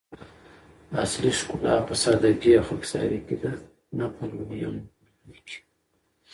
اصلي ښکلا په سادګي او خاکساري کی ده؛ نه په لويي او مغروري کي